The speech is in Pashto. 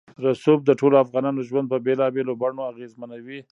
رسوب د ټولو افغانانو ژوند په بېلابېلو بڼو اغېزمنوي.